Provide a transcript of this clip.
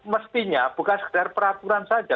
mestinya bukan sekedar peraturan saja